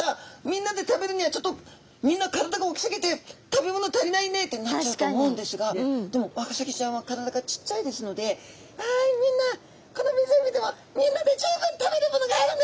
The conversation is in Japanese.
みんなで食べるにはちょっとみんな体が大きすぎて食べ物足りないね」ってなっちゃうと思うんですがでもワカサギちゃんは体がちっちゃいですので「わいみんなこの湖でもみんなで十分食べるものがあるね」